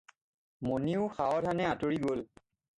মণিও সাৱধানে আঁতৰি গ'ল।